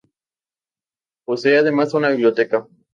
Posee además una biblioteca.